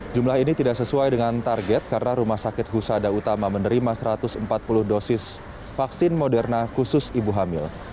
jumlah ini tidak sesuai dengan target karena rumah sakit husada utama menerima satu ratus empat puluh dosis vaksin moderna khusus ibu hamil